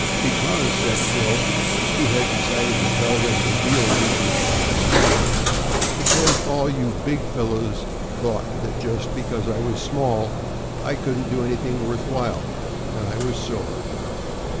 "Because," said Phil, who had decided to tell them the real reason at last, "because all you big fellows thought that just because I was small, I couldn't do anything worth while, and I was sore."